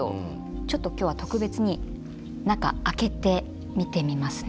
ちょっと今日は特別に中開けて見てみますね。